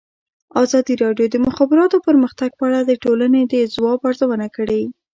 ازادي راډیو د د مخابراتو پرمختګ په اړه د ټولنې د ځواب ارزونه کړې.